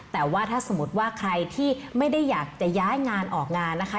แต่ว่าถ้าสมมุติว่าใครที่ไม่ได้อยากจะย้ายงานออกงานนะคะ